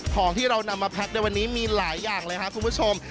ของเรานำมาแพ็คในวันนี้มีหลายอย่างเลยครับคุณผู้ชม